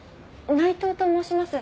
内藤と申します。